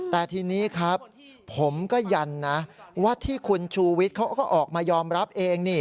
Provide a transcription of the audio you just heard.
แต่ทีนี้ครับผมก็ยันนะว่าที่คุณชูวิทย์เขาก็ออกมายอมรับเอง